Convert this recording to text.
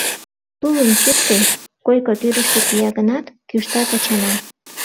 — Тулым чӱктӧ! — койко тӱрыштӧ кия гынат, кӱшта Тачана.